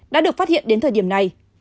đã được phát hiện đến thời điểm này